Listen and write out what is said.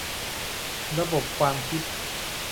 ระบบความคิด